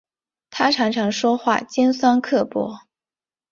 她常常说话尖酸刻薄